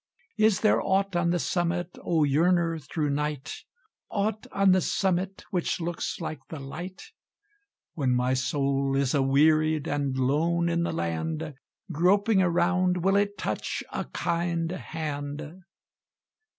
Is there aught on the summit, O yearner through Night, Aught on the summit which looks like the light; When my soul is a wearied and lone in the land, Groping around will it touch a kind hand?